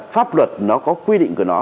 pháp luật nó có quy định của nó